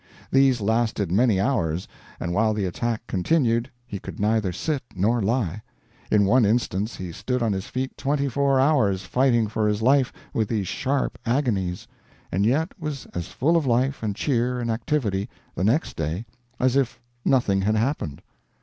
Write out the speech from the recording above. These lasted many hours, and while the attack continued he could neither sit nor lie. In one instance he stood on his feet twenty four hours fighting for his life with these sharp agonies, and yet was as full of life and cheer and activity the next day as if nothing had happened.